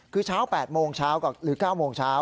คือเช้า๘โมงเช้าหรือ๙โมงเช้า